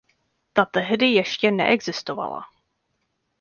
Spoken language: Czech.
Ta tehdy ještě neexistovala.